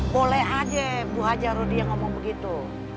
boleh aja bu haji rodia ngomong begitu